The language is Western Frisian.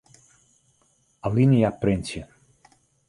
Alinea printsje.